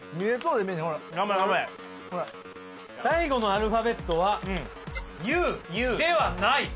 頑張れ頑張れ「最後のアルファベットはＵではない」